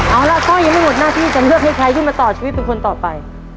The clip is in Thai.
เอาละข้ออีกไม่หมดหน้าที่จะเลือกให้ใครที่มาต่อชีวิตทุกคนต่อไป